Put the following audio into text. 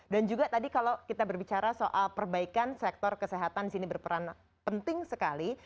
dan juga tadi kalau kita berbicara soal perbaikan sektor kesehatan di sini berperan penting sekali